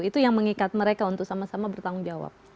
itu yang mengikat mereka untuk sama sama bertanggung jawab